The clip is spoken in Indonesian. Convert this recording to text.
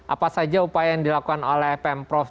apa saja upaya yang dilakukan oleh pm prof